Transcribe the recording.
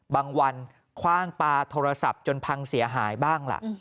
บางวันคว่างปลาโทรศัพท์จนพังเสียหายบ้างล่ะ